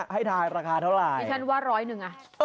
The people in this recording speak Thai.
ให้ทายราคาเท่าไหร่ดิฉันว่าร้อยหนึ่งอ่ะ